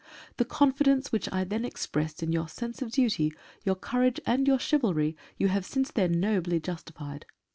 The confidence which I then expressed in your sense of duty, your courage and your chivalry, you have since then nobly justified.